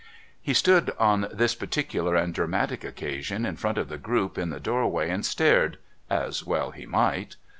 He stood on this particular and dramatic occasion in front of the group in the doorway and stared as well he might.